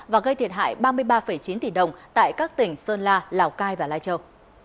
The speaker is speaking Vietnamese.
và gây thiệt hại ba mươi ba chín tỷ đồng tại các tỉnh sơn la lào cai và lai châu